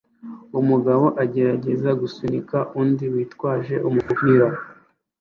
Umugabo agerageza gusunika undi witwaje umupira